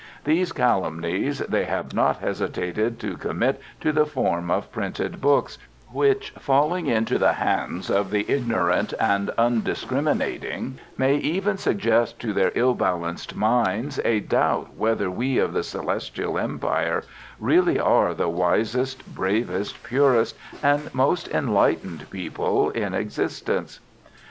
These calumnies they have not hesitated to commit to the form of printed books, which, falling into the hands of the ignorant and undiscriminating, may even suggest to their ill balanced minds a doubt whether we of the Celestial Empire really are the wisest, bravest, purest, and most enlightened people in existence.